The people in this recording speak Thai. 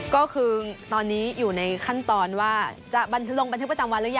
ก็คือตอนนี้อยู่ในขั้นตอนว่าจะลงบันทึกประจำวันหรือยัง